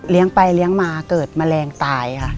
ไปเลี้ยงมาเกิดแมลงตายค่ะ